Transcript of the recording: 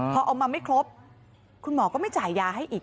พอเอามาไม่ครบคุณหมอก็ไม่จ่ายยาให้อีก